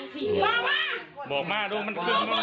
จิลแข็งตัวคุณอะไรนะ